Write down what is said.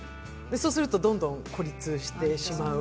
そうするとどんどん孤立してしまう。